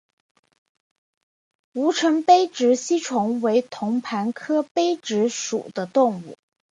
吴城杯殖吸虫为同盘科杯殖属的动物。